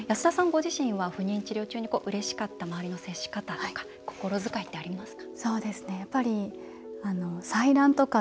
ご自身は不妊治療中にうれしかった周りの接し方とか心遣いってありますか？